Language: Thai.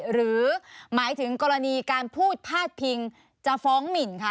หรือหมายถึงกรณีการพูดพาดพิงจะฟ้องหมินคะ